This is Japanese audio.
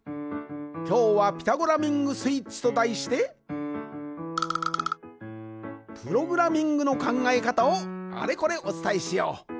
きょうは「ピタゴラミングスイッチ」とだいしてプログラミングのかんがえかたをあれこれおつたえしよう。